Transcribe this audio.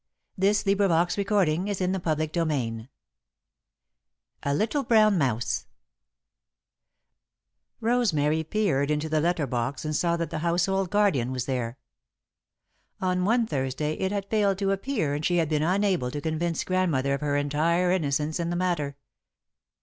Then he slept also. X A Little Brown Mouse [Sidenote: A Letter for Rosemary] Rosemary peered into the letter box and saw that The Household Guardian was there. On one Thursday it had failed to appear and she had been unable to convince Grandmother of her entire innocence in the matter.